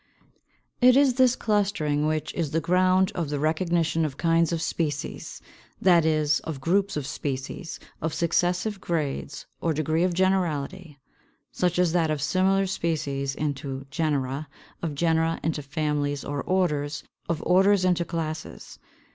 It is this clustering which is the ground of the recognition of kinds of species, that is, of groups of species of successive grades or degree of generality; such as that of similar species into Genera, of genera into Families or Orders, of orders into Classes.